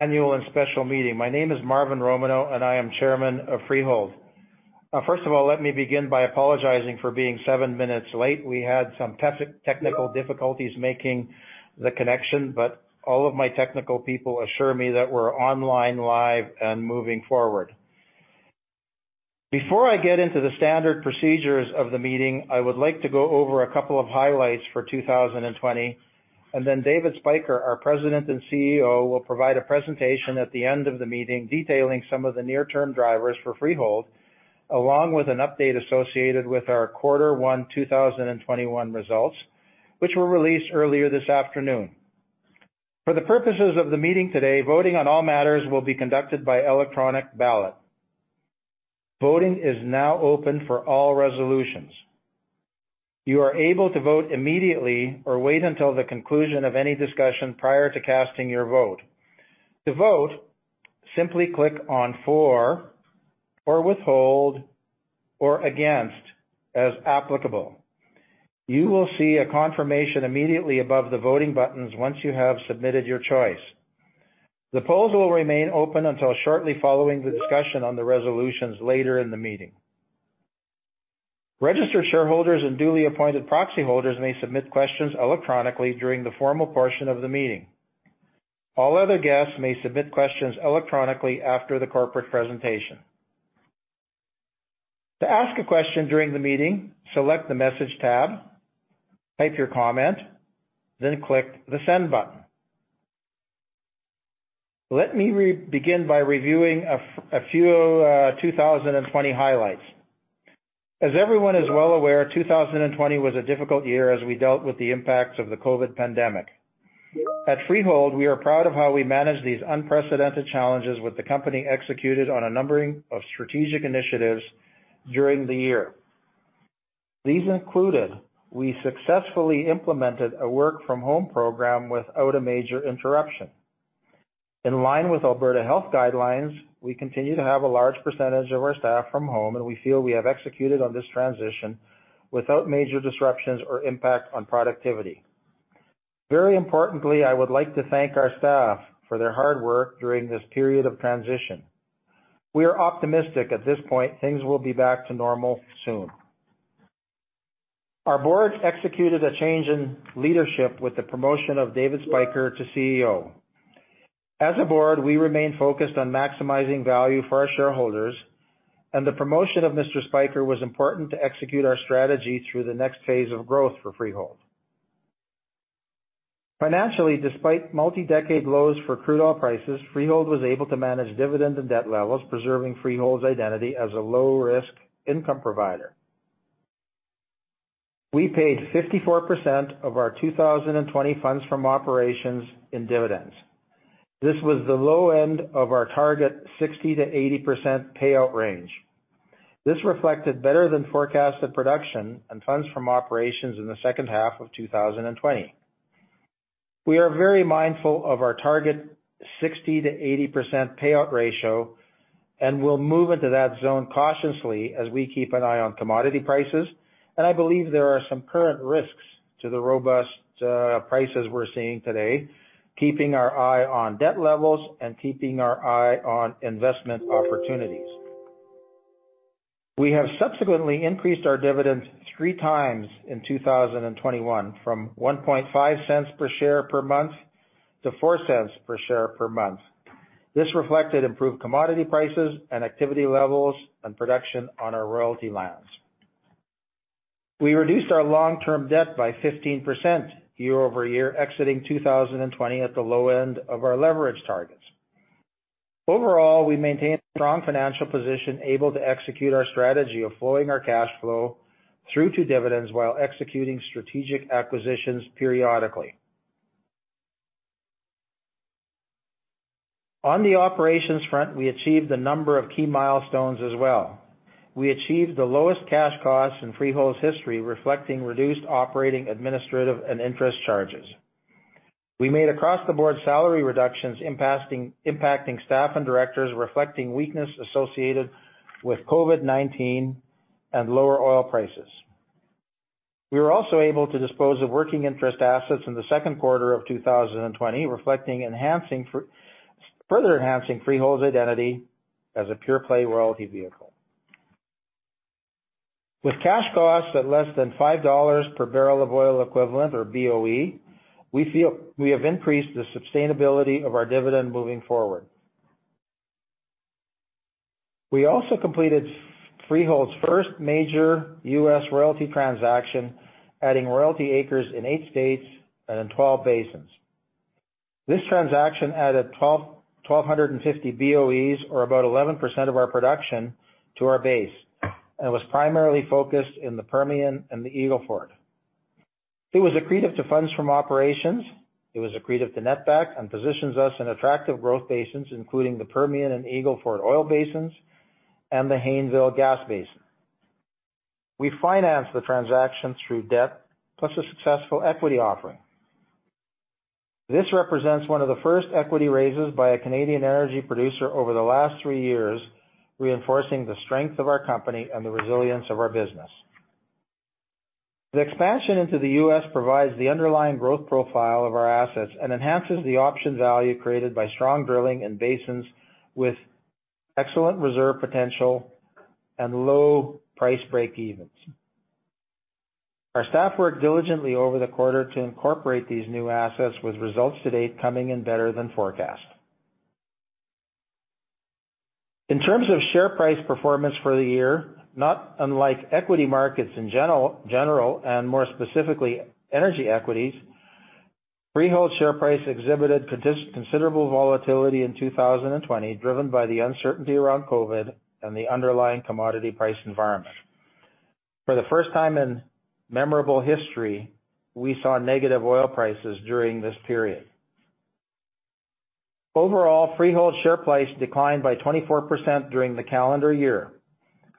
Annual and Special Meeting. My name is Marvin Romanow, and I am Chairman of Freehold. First of all, let me begin by apologizing for being seven minutes late. We had some technical difficulties making the connection, but all of my technical people assure me that we're online, live, and moving forward. Before I get into the standard procedures of the meeting, I would like to go over a couple of highlights for 2020, and then David Spyker, our President and CEO, will provide a presentation at the end of the meeting detailing some of the near-term drivers for Freehold, along with an update associated with our quarter one 2021 results, which were released earlier this afternoon. For the purposes of the meeting today, voting on all matters will be conducted by electronic ballot. Voting is now open for all resolutions. You are able to vote immediately or wait until the conclusion of any discussion prior to casting your vote. To vote, simply click on For or Withhold or Against as applicable. You will see a confirmation immediately above the voting buttons once you have submitted your choice. The polls will remain open until shortly following the discussion on the resolutions later in the meeting. Registered shareholders and duly appointed proxy holders may submit questions electronically during the formal portion of the meeting. All other guests may submit questions electronically after the corporate presentation. To ask a question during the meeting, select the Message tab, type your comment, then click the Send button. Let me begin by reviewing a few 2020 highlights. As everyone is well aware, 2020 was a difficult year as we dealt with the impacts of the COVID pandemic. At Freehold, we are proud of how we managed these unprecedented challenges while the company executed on a number of strategic initiatives during the year. These included, we successfully implemented a work-from-home program without a major interruption. In line with Alberta Health guidelines, we continue to have a large percentage of our staff from home, and we feel we have executed on this transition without major disruptions or impact on productivity. Very importantly, I would like to thank our staff for their hard work during this period of transition. We are optimistic at this point things will be back to normal soon. Our board executed a change in leadership with the promotion of David Spyker to CEO. As a board, we remain focused on maximizing value for our shareholders, and the promotion of Mr. Spyker was important to execute our strategy through the next phase of growth for Freehold. Financially, despite multi-decade lows for crude oil prices, Freehold was able to manage dividend and debt levels, preserving Freehold's identity as a low-risk income provider. We paid 54% of our 2020 funds from operations in dividends. This was the low end of our target 60%-80% payout range. This reflected better than forecasted production and funds from operations in the second half of 2020. We are very mindful of our target 60%-80% payout ratio and will move into that zone cautiously as we keep an eye on commodity prices, and I believe there are some current risks to the robust prices we're seeing today, keeping our eye on debt levels and keeping our eye on investment opportunities. We have subsequently increased our dividends three times in 2021 from 0.015 per share per month to 0.04 per share per month. This reflected improved commodity prices and activity levels and production on our royalty lands. We reduced our long-term debt by 15% year-over-year, exiting 2020 at the low end of our leverage targets. Overall, we maintained a strong financial position, able to execute our strategy of flowing our cash flow through to dividends while executing strategic acquisitions periodically. On the operations front, we achieved a number of key milestones as well. We achieved the lowest cash costs in Freehold's history, reflecting reduced operating, administrative, and interest charges. We made across-the-board salary reductions impacting staff and directors, reflecting weakness associated with COVID-19 and lower oil prices. We were also able to dispose of working interest assets in the second quarter of 2020, further enhancing Freehold's identity as a pure-play royalty vehicle. With cash costs at less than $5 per barrel of oil equivalent or BOE, we feel we have increased the sustainability of our dividend moving forward. We also completed Freehold's first major U.S. royalty transaction, adding royalty acres in eight states and in 12 basins. This transaction added 1,250 BOEs or about 11% of our production to our base, and was primarily focused in the Permian and the Eagle Ford. It was accretive to funds from operations. It was accretive to netback and positions us in attractive growth basins, including the Permian and Eagle Ford oil basins and the Haynesville Gas basin. We financed the transaction through debt plus a successful equity offering. This represents one of the first equity raises by a Canadian energy producer over the last three years, reinforcing the strength of our company and the resilience of our business. The expansion into the U.S. provides the underlying growth profile of our assets and enhances the option value created by strong drilling in basins with excellent reserve potential and low price breakevens. Our staff worked diligently over the quarter to incorporate these new assets, with results to date coming in better than forecast. In terms of share price performance for the year, not unlike equity markets in general, and more specifically, energy equities, Freehold's share price exhibited considerable volatility in 2020, driven by the uncertainty around COVID and the underlying commodity price environment. For the first time in memorable history, we saw negative oil prices during this period. Overall, Freehold's share price declined by 24% during the calendar year.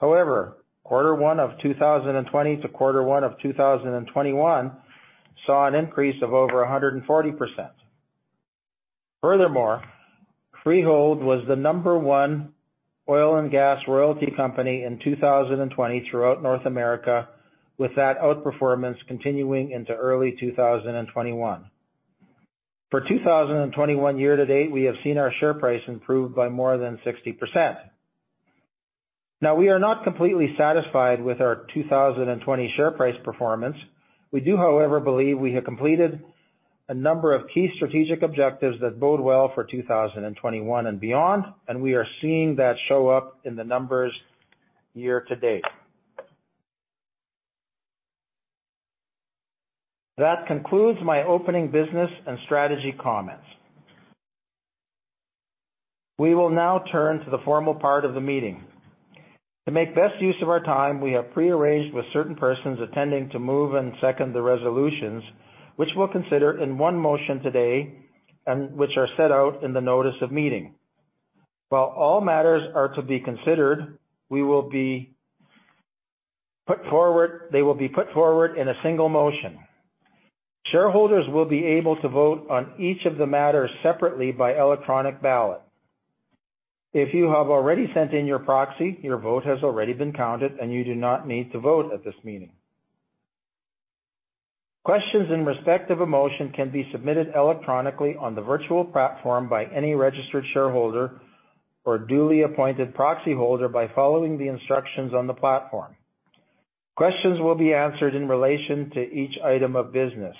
However, quarter one of 2020 to quarter one of 2021 saw an increase of over 140%. Furthermore, Freehold was the number one oil and gas royalty company in 2020 throughout North America, with that outperformance continuing into early 2021. For 2021 year to date, we have seen our share price improve by more than 60%. Now, we are not completely satisfied with our 2020 share price performance. We do, however, believe we have completed a number of key strategic objectives that bode well for 2021 and beyond, and we are seeing that show up in the numbers year to date. That concludes my opening business and strategy comments. We will now turn to the formal part of the meeting. To make the best use of our time, we have prearranged with certain persons attending to move and second the resolutions, which we'll consider in one motion today and which are set out in the notice of meeting. While all matters are to be considered, they will be put forward in a single motion. Shareholders will be able to vote on each of the matters separately by electronic ballot. If you have already sent in your proxy, your vote has already been counted, and you do not need to vote at this meeting. Questions in respect of a motion can be submitted electronically on the virtual platform by any registered shareholder or duly appointed proxy holder by following the instructions on the platform. Questions will be answered in relation to each item of business.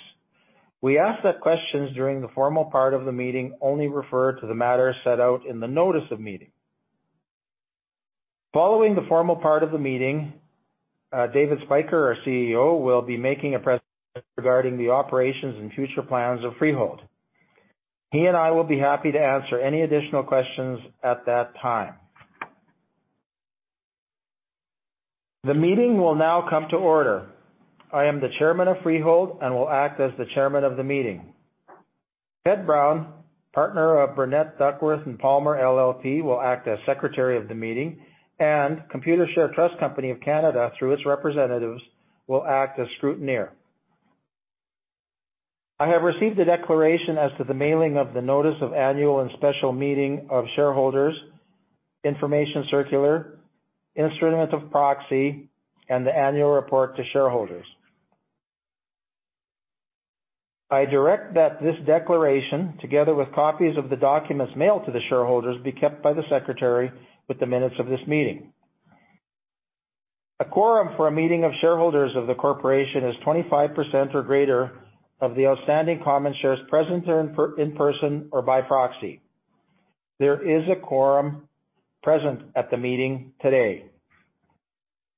We ask that questions during the formal part of the meeting only refer to the matter set out in the notice of meeting. Following the formal part of the meeting, David Spyker, our CEO, will be making a presentation regarding the operations and future plans of Freehold. He and I will be happy to answer any additional questions at that time. The meeting will now come to order. I am the Chairman of Freehold and will act as the chairman of the meeting. Ted Brown, Partner of Burnet, Duckworth & Palmer LLP, will act as Secretary of the meeting, and Computershare Trust Company of Canada, through its representatives, will act as scrutineer. I have received a declaration as to the mailing of the notice of annual and special meeting of shareholders, information circular, instrument of proxy, and the annual report to shareholders. I direct that this declaration, together with copies of the documents mailed to the shareholders, be kept by the secretary with the minutes of this meeting. A quorum for a meeting of shareholders of the corporation is 25% or greater of the outstanding common shares present in person or by proxy. There is a quorum present at the meeting today.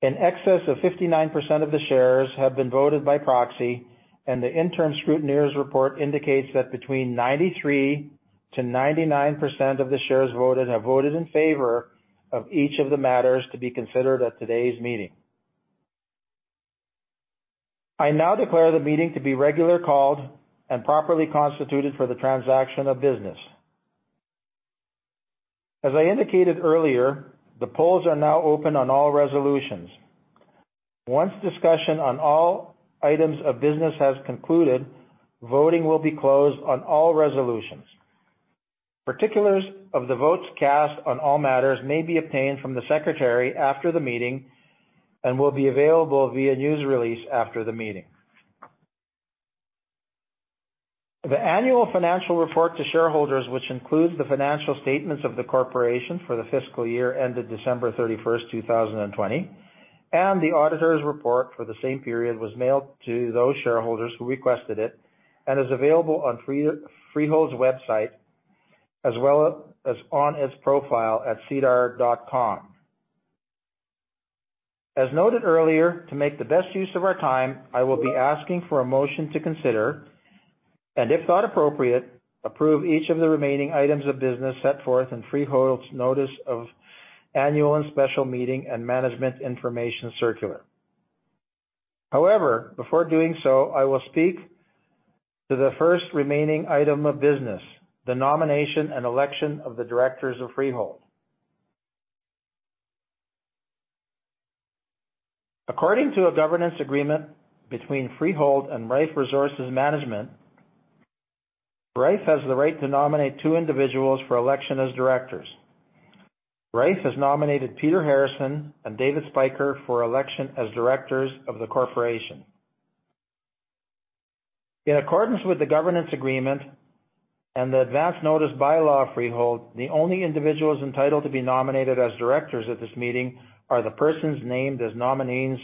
In excess of 59% of the shares have been voted by proxy, and the interim scrutineer's report indicates that between 93%-99% of the shares voted have voted in favor of each of the matters to be considered at today's meeting. I now declare the meeting to be regularly called and properly constituted for the transaction of business. As I indicated earlier, the polls are now open on all resolutions. Once discussion on all items of business has concluded, voting will be closed on all resolutions. Particulars of the votes cast on all matters may be obtained from the secretary after the meeting and will be available via news release after the meeting. The annual financial report to shareholders, which includes the financial statements of the corporation for the fiscal year ended December 31st, 2020, and the auditor's report for the same period, was mailed to those shareholders who requested it and is available on Freehold's website as well as on its profile at sedar.com. As noted earlier, to make the best use of our time, I will be asking for a motion to consider, and if thought appropriate, approve each of the remaining items of business set forth in Freehold's notice of annual and special meeting and management information circular. However, before doing so, I will speak to the first remaining item of business, the nomination and election of the directors of Freehold. According to a governance agreement between Freehold and Rife Resources Management, Rife has the right to nominate two individuals for election as directors. Rife has nominated Peter Harrison and David Spyker for election as Directors of the corporation. In accordance with the governance agreement and the advance notice bylaw of Freehold, the only individuals entitled to be nominated as directors at this meeting are the persons named as nominees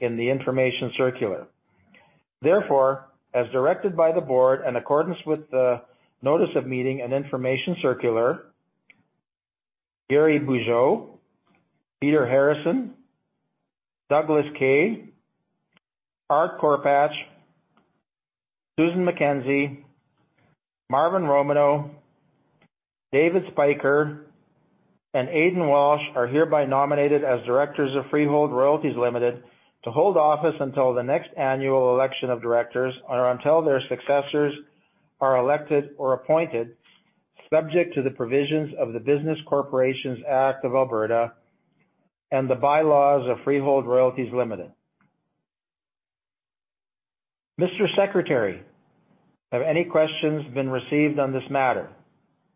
in the information circular. Therefore, as directed by the board, in accordance with the notice of meeting and information circular, Gary Bugeaud, Peter Harrison, Douglas Kay, Art Korpach, Susan MacKenzie, Marvin Romanow, David Spyker, and Aidan Walsh are hereby nominated as Directors of Freehold Royalties Ltd. to hold office until the next annual election of directors or until their successors are elected or appointed, subject to the provisions of the Business Corporations Act of Alberta and the bylaws of Freehold Royalties Ltd. Mr. Secretary, have any questions been received on this matter?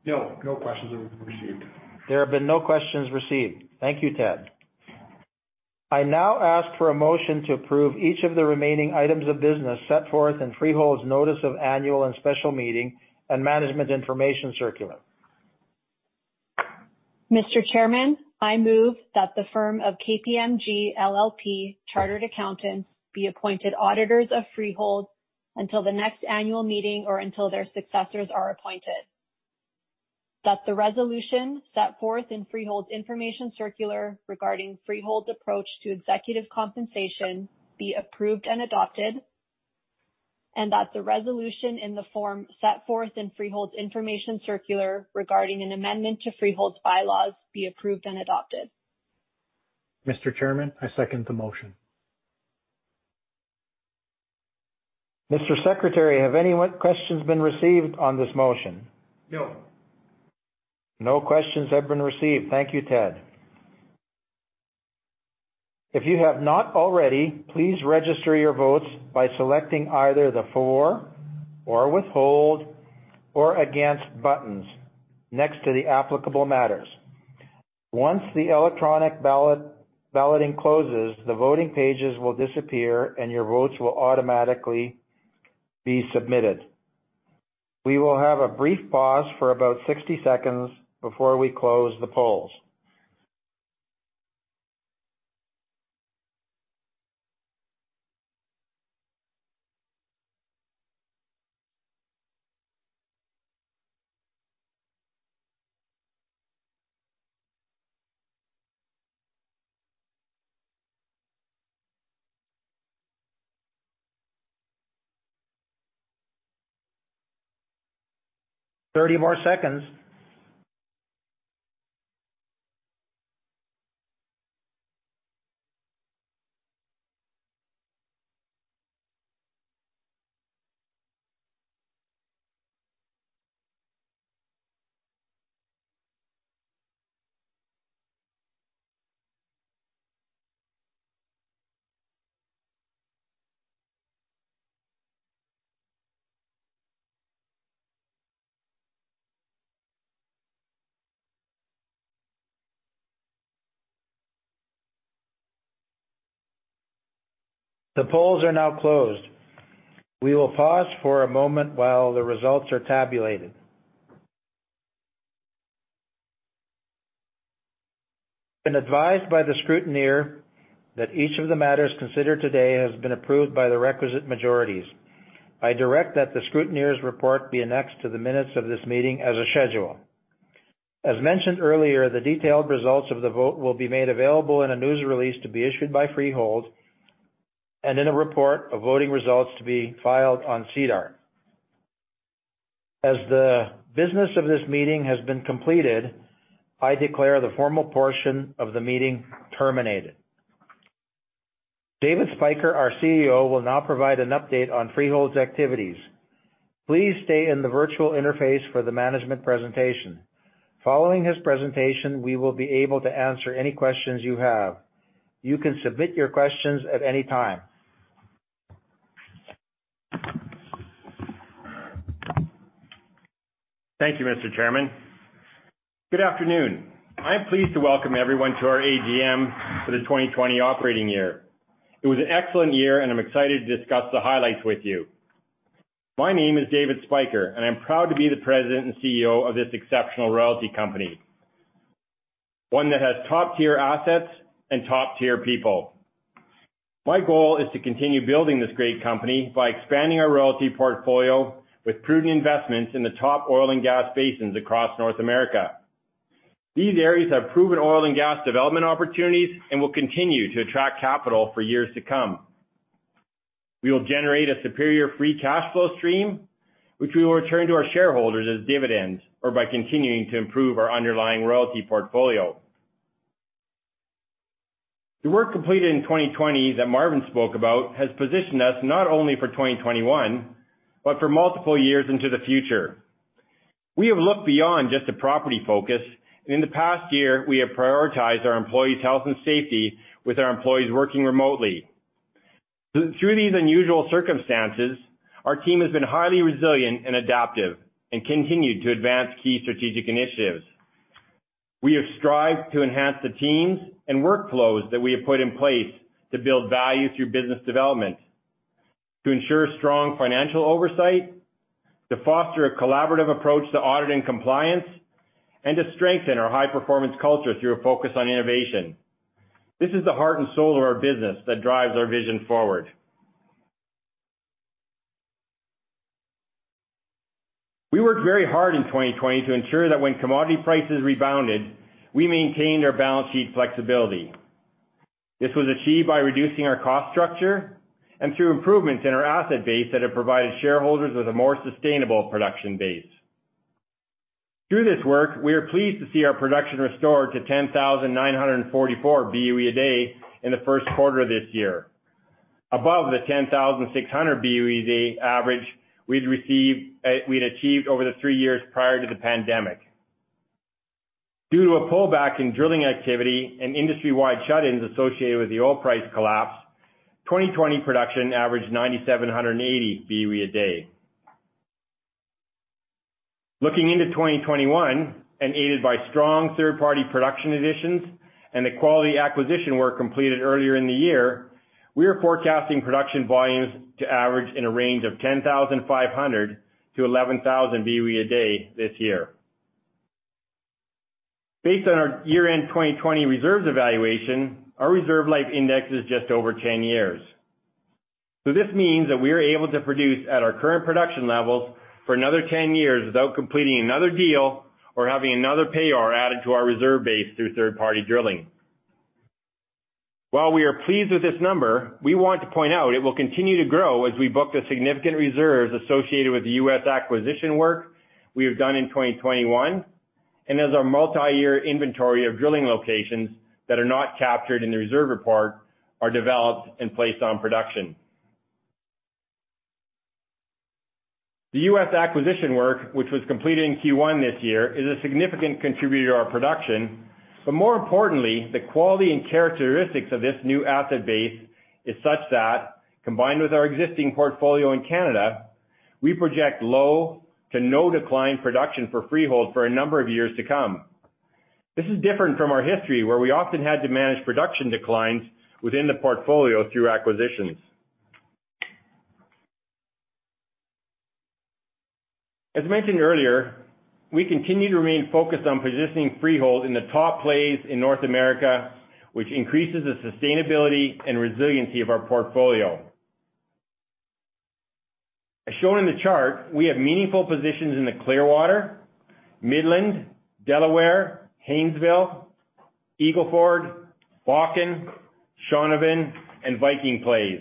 No. No questions have been received. There have been no questions received. Thank you, Ted. I now ask for a motion to approve each of the remaining items of business set forth in Freehold's notice of annual and special meeting and management information circular. Mr. Chairman, I move that the firm of KPMG LLP Chartered Accountants be appointed auditors of Freehold until the next annual meeting or until their successors are appointed, that the resolution set forth in Freehold's information circular regarding Freehold's approach to executive compensation be approved and adopted, and that the resolution in the form set forth in Freehold's information circular regarding an amendment to Freehold's bylaws be approved and adopted. Mr. Chairman, I second the motion. Mr. Secretary, have any questions been received on this motion? No. No questions have been received. Thank you, Ted. If you have not already, please register your votes by selecting either the For, or Withhold, or Against buttons next to the applicable matters. Once the electronic balloting closes, the voting pages will disappear and your votes will automatically be submitted. We will have a brief pause for about 60 seconds before we close the polls. 30 more seconds. The polls are now closed. We will pause for a moment while the results are tabulated. I've been advised by the scrutineer that each of the matters considered today has been approved by the requisite majorities. I direct that the scrutineer's report be annexed to the minutes of this meeting as a schedule. As mentioned earlier, the detailed results of the vote will be made available in a news release to be issued by Freehold and in a report of voting results to be filed on SEDAR. As the business of this meeting has been completed, I declare the formal portion of the meeting terminated. David Spyker, our CEO, will now provide an update on Freehold's activities. Please stay in the virtual interface for the management presentation. Following his presentation, we will be able to answer any questions you have. You can submit your questions at any time. Thank you, Mr. Chairman. Good afternoon. I'm pleased to welcome everyone to our AGM for the 2020 operating year. It was an excellent year, and I'm excited to discuss the highlights with you. My name is David M. Spyker, and I'm proud to be the President and CEO of this exceptional royalty company, one that has top-tier assets and top-tier people. My goal is to continue building this great company by expanding our royalty portfolio with prudent investments in the top oil and gas basins across North America. These areas have proven oil and gas development opportunities and will continue to attract capital for years to come. We will generate a superior free cash flow stream, which we will return to our shareholders as dividends or by continuing to improve our underlying royalty portfolio. The work completed in 2020 that Marvin spoke about has positioned us not only for 2021 but for multiple years into the future. We have looked beyond just a property focus, and in the past year, we have prioritized our employees' health and safety with our employees working remotely. Through these unusual circumstances, our team has been highly resilient and adaptive and continued to advance key strategic initiatives. We have strived to enhance the teams and workflows that we have put in place to build value through business development, to ensure strong financial oversight, to foster a collaborative approach to audit and compliance, and to strengthen our high-performance culture through a focus on innovation. This is the heart and soul of our business that drives our vision forward. We worked very hard in 2020 to ensure that when commodity prices rebounded, we maintained our balance sheet flexibility. This was achieved by reducing our cost structure and through improvements in our asset base that have provided shareholders with a more sustainable production base. Through this work, we are pleased to see our production restored to 10,944 BOE a day in the first quarter of this year, above the 10,600 BOE a day average we'd achieved over the three years prior to the pandemic. Due to a pullback in drilling activity and industry-wide shut-ins associated with the oil price collapse, 2020 production averaged 9,780 BOE a day. Looking into 2021, and aided by strong third-party production additions and the quality acquisition work completed earlier in the year, we are forecasting production volumes to average in a range of 10,500-11,000 BOE a day this year. Based on our year-end 2020 reserves evaluation, our reserve life index is just over 10 years. This means that we are able to produce at our current production levels for another 10 years without completing another deal or having another payor added to our reserve base through third-party drilling. While we are pleased with this number, we want to point out it will continue to grow as we book the significant reserves associated with the U.S. acquisition work we have done in 2021, and as our multi-year inventory of drilling locations that are not captured in the reserve report are developed and placed on production. The U.S. acquisition work, which was completed in Q1 this year, is a significant contributor to our production. More importantly, the quality and characteristics of this new asset base is such that, combined with our existing portfolio in Canada, we project low to no decline production for Freehold for a number of years to come. This is different from our history, where we often had to manage production declines within the portfolio through acquisitions. As mentioned earlier, we continue to remain focused on positioning Freehold in the top plays in North America, which increases the sustainability and resiliency of our portfolio. As shown in the chart, we have meaningful positions in the Clearwater, Midland, Delaware, Haynesville, Eagle Ford, Bakken, Shaunavon, and Viking plays.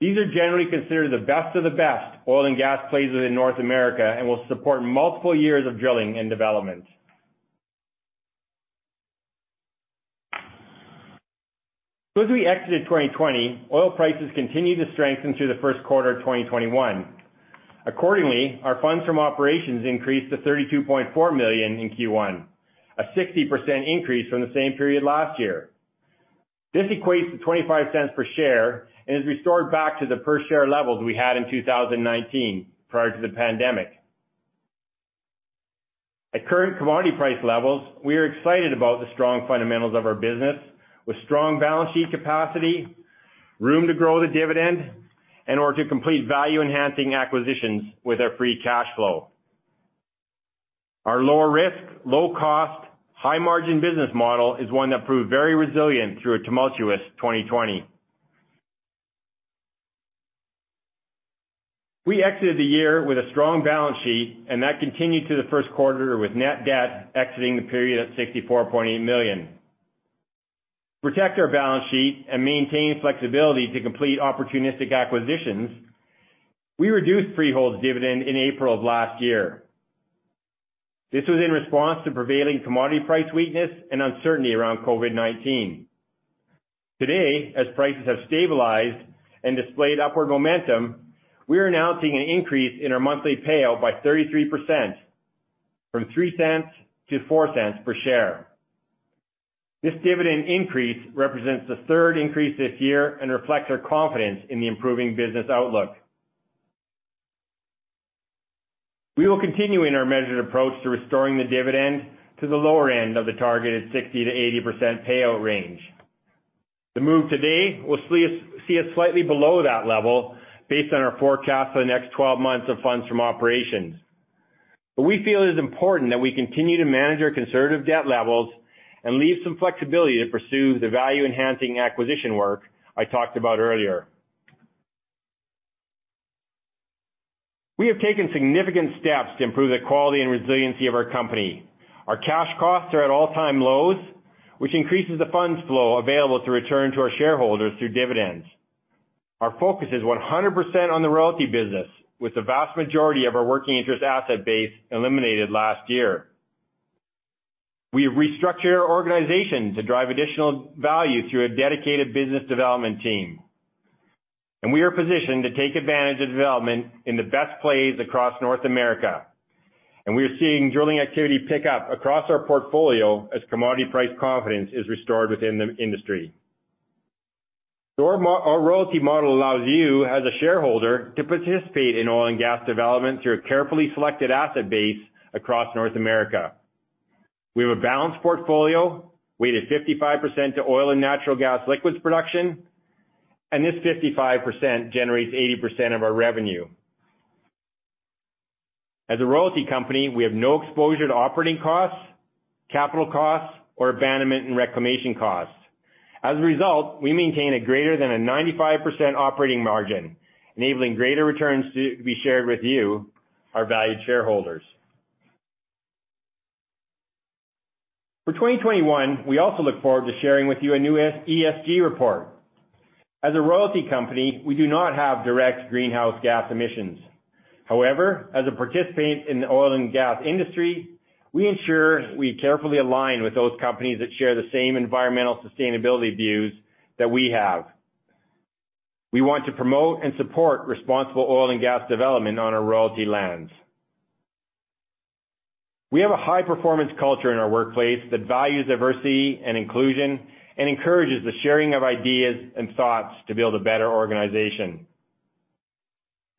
These are generally considered the best of the best oil and gas plays within North America and will support multiple years of drilling and development. As we exited 2020, oil prices continued to strengthen through the first quarter of 2021. Accordingly, our funds from operations increased to 32.4 million in Q1, a 60% increase from the same period last year. This equates to 0.25 per share and is restored back to the per-share levels we had in 2019 prior to the pandemic. At current commodity price levels, we are excited about the strong fundamentals of our business with strong balance sheet capacity, room to grow the dividend, and/or to complete value-enhancing acquisitions with our free cash flow. Our lower risk, low cost, high margin business model is one that proved very resilient through a tumultuous 2020. We exited the year with a strong balance sheet, and that continued to the first quarter with net debt exiting the period at 64.8 million. To protect our balance sheet and maintain flexibility to complete opportunistic acquisitions, we reduced Freehold's dividend in April of last year. This was in response to prevailing commodity price weakness and uncertainty around COVID-19. Today, as prices have stabilized and displayed upward momentum, we are announcing an increase in our monthly payout by 33%, from 0.03 to 0.04 per share. This dividend increase represents the third increase this year and reflects our confidence in the improving business outlook. We will continue in our measured approach to restoring the dividend to the lower end of the targeted 60%-80% payout range. The move today will see us slightly below that level based on our forecast for the next 12 months of funds from operations. We feel it is important that we continue to manage our conservative debt levels and leave some flexibility to pursue the value-enhancing acquisition work I talked about earlier. We have taken significant steps to improve the quality and resiliency of our company. Our cash costs are at all-time lows, which increases the funds flow available to return to our shareholders through dividends. Our focus is 100% on the royalty business, with the vast majority of our working interest asset base eliminated last year. We have restructured our organization to drive additional value through a dedicated business development team. We are positioned to take advantage of development in the best plays across North America. We are seeing drilling activity pick up across our portfolio as commodity price confidence is restored within the industry. Our royalty model allows you as a shareholder to participate in oil and gas development through a carefully selected asset base across North America. We have a balanced portfolio, weighted 55% to oil and natural gas liquids production, and this 55% generates 80% of our revenue. As a royalty company, we have no exposure to operating costs, capital costs, or abandonment and reclamation costs. As a result, we maintain a greater than a 95% operating margin, enabling greater returns to be shared with you, our valued shareholders. For 2021, we also look forward to sharing with you a new ESG report. As a royalty company, we do not have direct greenhouse gas emissions. However, as a participant in the oil and gas industry, we ensure we carefully align with those companies that share the same environmental sustainability views that we have. We want to promote and support responsible oil and gas development on our royalty lands. We have a high-performance culture in our workplace that values diversity and inclusion and encourages the sharing of ideas and thoughts to build a better organization.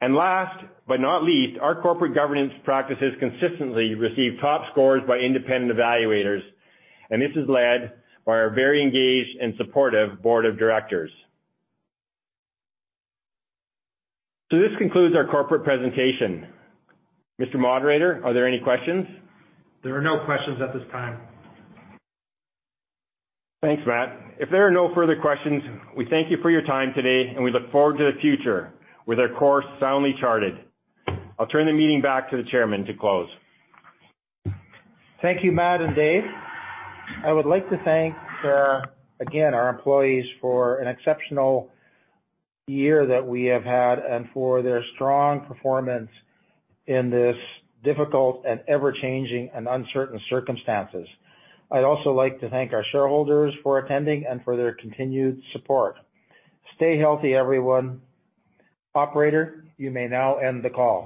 Last but not least, our corporate governance practices consistently receive top scores by independent evaluators, and this is led by our very engaged and supportive board of directors. This concludes our corporate presentation. Mr. Moderator, are there any questions? There are no questions at this time. Thanks, Matt. If there are no further questions, we thank you for your time today, and we look forward to the future with our course soundly charted. I'll turn the meeting back to the chairman to close. Thank you, Matt and Dave. I would like to thank, again, our employees for an exceptional year that we have had and for their strong performance in this difficult and ever-changing and uncertain circumstances. I'd also like to thank our shareholders for attending and for their continued support. Stay healthy, everyone. Operator, you may now end the call.